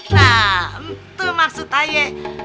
nah itu maksud ayah